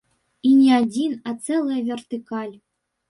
І не адзін, а цэлая вертыкаль.